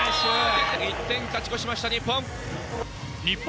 １点勝ち越しました日本。